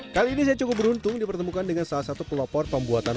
kali ini saya cukup beruntung dipertemukan dengan salah satu pelopor pembuatan